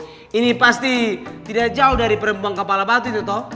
ya ampuuu ini pasti tidak jauh dari perempuan kepala batu itu toh